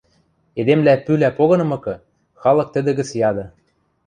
Эдемвлӓ пӱлӓ погынымыкы, халык тӹдӹ гӹц яды: